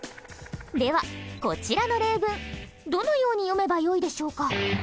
ではこちらの例文どのように読めばよいでしょうか？